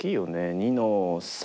２の三。